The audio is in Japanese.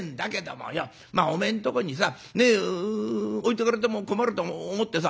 おめえんとこにさ置いとかれても困ると思ってさ